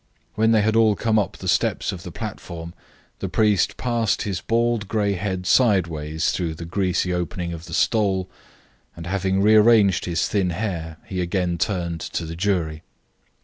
When they had all come up the steps of the platform, the priest passed his bald, grey head sideways through the greasy opening of the stole, and, having rearranged his thin hair, he again turned to the jury.